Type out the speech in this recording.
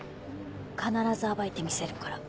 必ず暴いてみせるから。